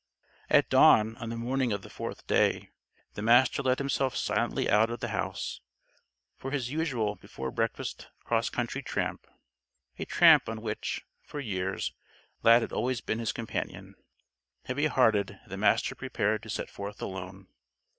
At dawn on the morning of the fourth day, the Master let himself silently out of the house, for his usual before breakfast cross country tramp a tramp on which, for years, Lad had always been his companion. Heavy hearted, the Master prepared to set forth alone.